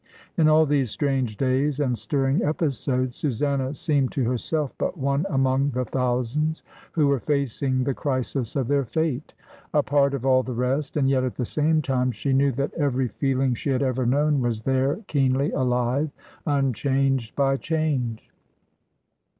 In all these strange days and stirring episodes Su sanna seemed to herself but one among the thou sands who were facing the crisis of their fate, a part of all the rest, and yet at the same time she knew that every feeling she had ever known was there keenly alive, unchanged by change.